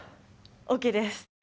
ＯＫです。